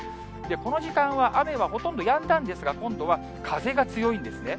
この時間は雨はほとんどやんだんですが、今度は風が強いんですね。